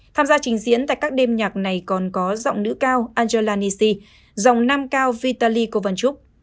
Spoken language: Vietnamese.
tham gia trình diễn tại các đêm nhạc này còn có giọng nữ cao angela nisi giọng nam cao vitaly kovalchuk